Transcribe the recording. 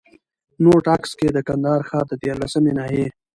نوټ: عکس کي د کندهار ښار د ديارلسمي ناحيې